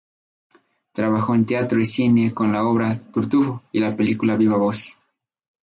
Trabajó en teatro y cine con la obra "Tartufo" y la película "Viva Voz".